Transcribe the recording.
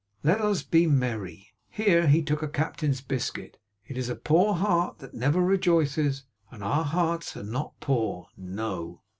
Let us be merry.' Here he took a captain's biscuit. 'It is a poor heart that never rejoices; and our hearts are not poor. No!